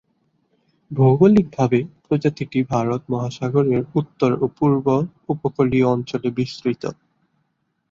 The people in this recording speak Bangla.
ভৌগোলিকভাবে প্রজাতিটি ভারত মহাসাগরের উত্তর ও পূর্ব উপকূলীয় অঞ্চলে বিস্তৃত।